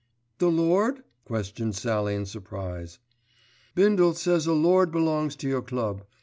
"The lord?" questioned Sallie in surprise. "Bindle says a lord belongs to your club.